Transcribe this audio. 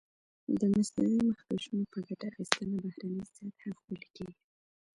د مصنوعي مخکشونو په ګټه اخیستنه بهرنۍ سطحه ښکلې کېږي.